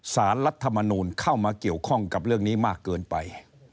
รัฐมนูลเข้ามาเกี่ยวข้องกับเรื่องนี้มากเกินไป